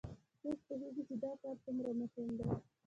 څوک پوهیږي چې دا کار څومره مهم ده